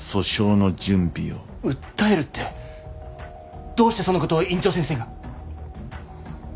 訴えるってどうしてそんな事を院長先生が？